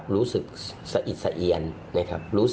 รู้สึกซะอิดเสียล